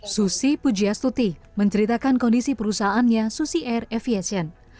susi pujiastuti menceritakan kondisi perusahaannya susi air aviation